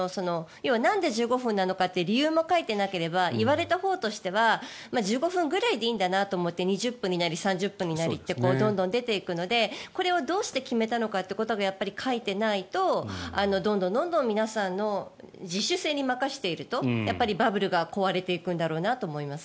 要はなんで１５分なのかって理由も書いてなければ言われたほうとしては１５分ぐらいでいいんだなと思って２０分になり３０分になりと出ていくのでどうして決めたのかがやっぱり書いてないとどんどん皆さんの自主性に任せているとバブルが壊れていくんだろうと思います。